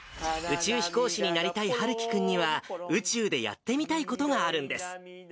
宇宙飛行士になりたい陽生君には、宇宙でやってみたいことがあるんです。